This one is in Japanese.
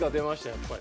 やっぱり。